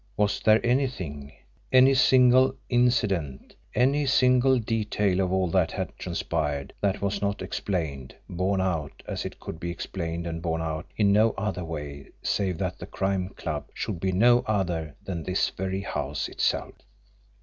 Was there anything, any single incident, any single detail of all that had transpired, that was not explained, borne out, as it could be explained and borne out in no other way save that the Crime Club should be no other than this very house itself?